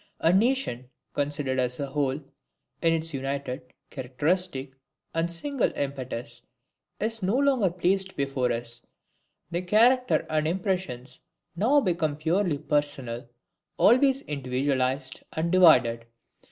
A nation, considered as a whole, in its united, characteristic, and single impetus, is no longer placed before us; the character and impressions now become purely personal, always individualized and divided.